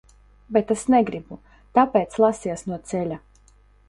Bet es negribu, tāpēc lasies no ceļa!